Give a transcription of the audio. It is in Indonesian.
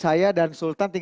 selamat malam teman teman